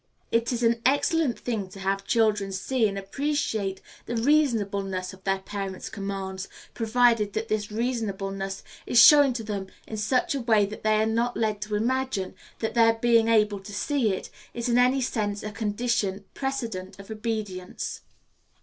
It is an excellent thing to have children see and appreciate the reasonableness of their parents' commands, provided that this reasonableness is shown to them in such a way that they are not led to imagine that their being able to see it is in any sense a condition precedent of obedience.